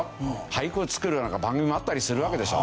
俳句を作る番組もあったりするわけでしょ。